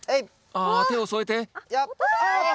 ああ手を添えて！